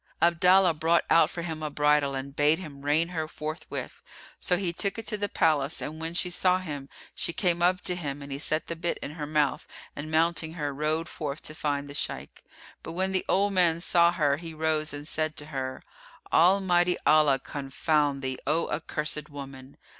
Abdallah brought out for him a bridle and bade him rein her forthwith. So he took it to the palace, and when she saw him, she came up to him and he set the bit in her mouth and mounting her, rode forth to find the Shaykh. But when the old man saw her, he rose and said to her, "Almighty Allah confound thee, O accursed woman!"